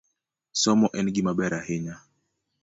Somo en gima ber ahinya.